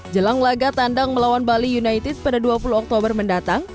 jelang laga tandang melawan bali united pada dua puluh oktober mendatang